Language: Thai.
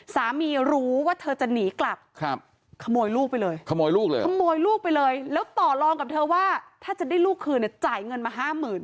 สามีรู้ว่าเธอจะหนีกลับขโมยลูกไปเลยแล้วต่อรองกับเธอว่าถ้าจะได้ลูกคืนเนี่ยจ่ายเงินมาห้ามหมื่น